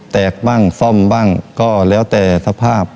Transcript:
แตกบ้างซ่อมบ้างก็แล้วแต่สภาพ